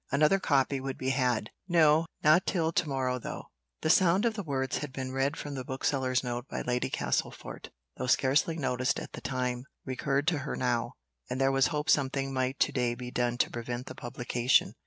Another copy would be had no, not till to morrow though. The sound of the words that had been read from the bookseller's note by Lady Castlefort, though scarcely noticed at the time, recurred to her now; and there was hope something might to day be done to prevent the publication.